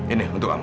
ini untuk kamu